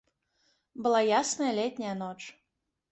Была ясная летняя ноч.